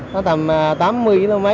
nó tầm tám mươi km